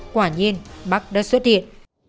quả nhiên bác đã xuất hiện